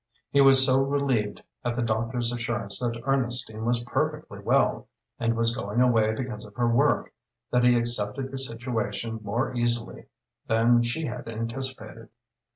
He was so relieved at the doctor's assurance that Ernestine was perfectly well, and was going away because of her work, that he accepted the situation more easily than she had anticipated.